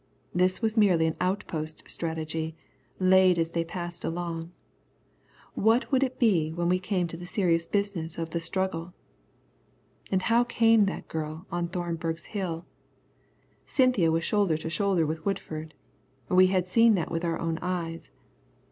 This was merely an outpost strategy, laid as they passed along. What would it be when we came to the serious business of the struggle? And how came that girl on Thornberg's Hill? Cynthia was shoulder to shoulder with Woodford. We had seen that with our own eyes.